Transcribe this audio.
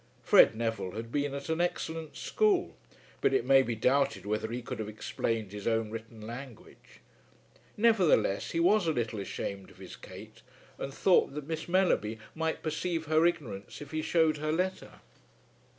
Fred Neville had been at an excellent school, but it may be doubted whether he could have explained his own written language. Nevertheless he was a little ashamed of his Kate, and thought that Miss Mellerby might perceive her ignorance if he shewed her letter.